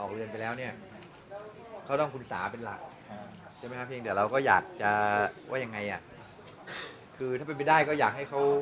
ครับครับก็คงอาจจะได้กินข้าวกันบ้าง